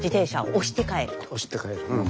押して帰るね。